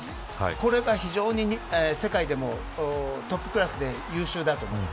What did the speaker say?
これは世界でもトップクラスで優秀だと思います。